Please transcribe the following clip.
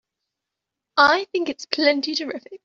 I think it's plenty terrific!